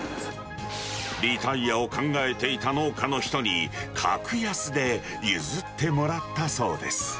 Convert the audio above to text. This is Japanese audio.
リタイアを考えていた農家の人に、格安で譲ってもらったそうです。